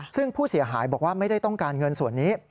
ซึ่งผู้เสียหายบอกว่าไม่ได้ต้องการเงินส่วนนี้